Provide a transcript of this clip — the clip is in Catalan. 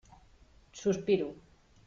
Sospiro.